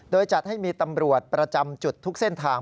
โดยจัดให้มีตำรวจประจำจุดทุกเส้นทาง